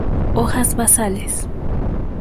Hojas basales.